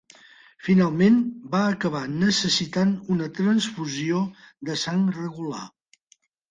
Finalment, va acabar necessitant una transfusió de sang regular.